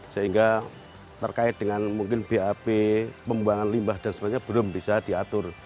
sehingga terkait dengan mungkin bap pembuangan limbah dan sebagainya belum bisa diatur